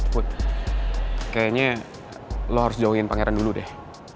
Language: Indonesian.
put kayaknya lo harus jauhin pangeran dulu deh